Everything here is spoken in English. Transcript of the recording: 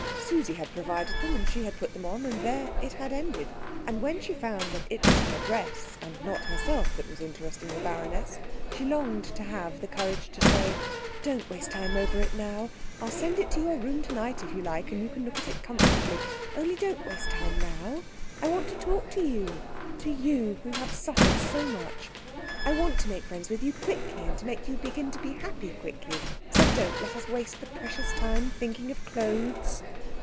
Susie had provided them, and she had put them on, and there it had ended; and when she found that it was her dress and not herself that was interesting the baroness, she longed to have the courage to say, "Don't waste time over it now I'll send it to your room to night, if you like, and you can look at it comfortably only don't waste time now. I want to talk to you, to you who have suffered so much; I want to make friends with you quickly, to make you begin to be happy quickly; so don't let us waste the precious time thinking of clothes."